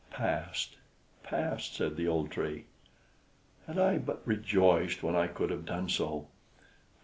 "Past! past!" said the old Tree. "Had I but rejoiced when I could have done so!